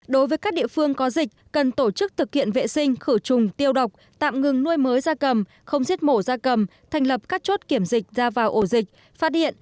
đối với các địa phương có dịch cần tổ chức thực hiện vệ sinh khử trùng tiêu độc tạm ngừng nuôi mới da cầm không giết mổ da cầm thành lập các chốt kiểm dịch ra vào ổ dịch phát hiện